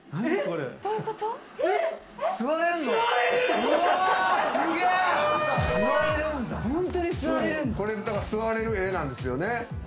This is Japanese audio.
これ座れる絵ですよね。